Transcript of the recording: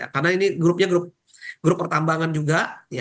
karena ini grupnya grup pertambangan juga